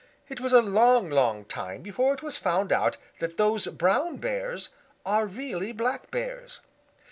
It was a long, long time before it was found out that those brown Bears are really black Bears.